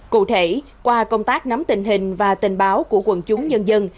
cụ thể qua công tác nắm tình hình và tình báo của quần chúng nhân dân